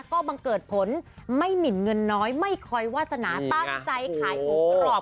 ก็บังเกิดผลไม่หมินเงินน้อยไม่คอยวาสนาตั้งใจขายหมูกรอบ